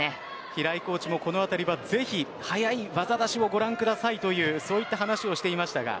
平井コーチもこのあたりはぜひ速い技だしをご覧くださいというそういった話をしていました。